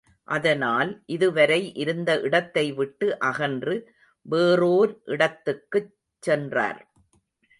அதனால், இதுவரை இருந்த இடத்தை விட்டு அகன்று வேறோர் இடத்துக்குச் சென்றார்.